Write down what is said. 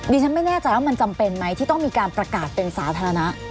ฉันไม่แน่ใจว่ามันจำเป็นไหมที่ต้องมีการประกาศเป็นสาธารณะ